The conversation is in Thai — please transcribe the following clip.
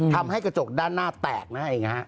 ทำให้กระจกด้านหน้าแตกนั่นเองฮะ